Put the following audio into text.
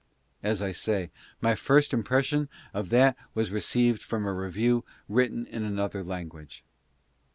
As I say, my first impression of that was received from a review written in another language.